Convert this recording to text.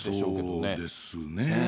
そうですね。